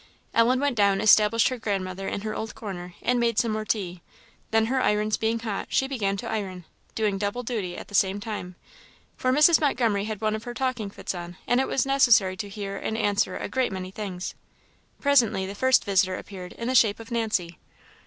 Ellen went down, established her grandmother in her old corner, and made some more tea. Then her irons being hot, she began to iron; doing double duty at the same time, for Mrs. Montgomery had one of her talking fits on, and it was necessary to hear and answer a great many things. Presently the first visitor appeared in the shape of Nancy.